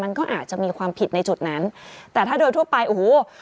มันก็อาจจะมีความผิดในจุดนั้นแต่ถ้าโดยทั่วไปโอ้โห